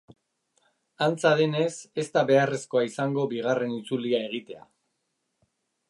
Antza denez, ez da beharrezkoa izango bigarren itzulia egitea.